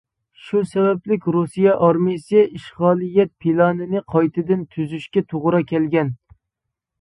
شۇ سەۋەبلىك رۇسىيە ئارمىيەسى ئىشغالىيەت پىلانىنى قايتىدىن تۈزۈشكە توغرا كەلگەن.